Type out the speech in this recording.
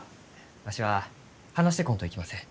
わしは話してこんといきません。